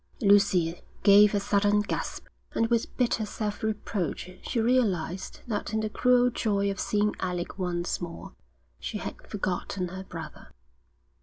Lucy gave a sudden gasp. And with bitter self reproach she realised that in the cruel joy of seeing Alec once more she had forgotten her brother.